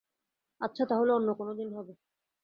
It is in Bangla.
আচ্ছা, তাহলে অন্যকোনো দিন হবে।